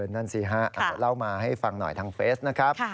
นั่นสิฮะเล่ามาให้ฟังหน่อยทางเฟสนะครับ